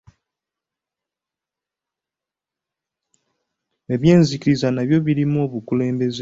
Ebyenzikiriza nabyo birimu obukulembeze.